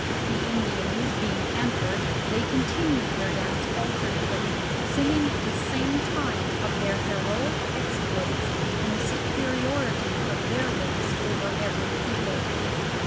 "The Indians being entered they continued their dance alternately, singing at the same time of their heroic exploits, and the superiority of their race over every people.